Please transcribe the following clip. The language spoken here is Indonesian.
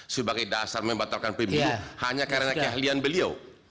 sebagai dasar membatalkan pemilu hanya karena keahlian beliau